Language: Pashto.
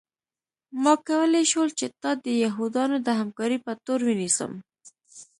ما کولی شول چې تا د یهودانو د همکارۍ په تور ونیسم